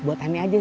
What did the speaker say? buat aneh aja